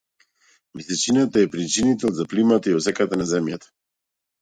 Месечината е причинител за плимата и осеката на Земјата.